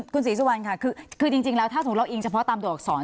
คุณศรีสุวรรณค่ะคือจริงแล้วถ้าสมมุติเราอิงเฉพาะตามตัวอักษร